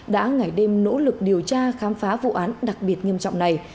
đã ngày đêm nỗ lực điều tra khám phá vụ án đặc biệt nghiêm trọng này